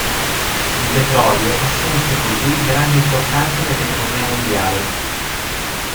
Il petrolio assunse così grande importanza nell'economia mondiale.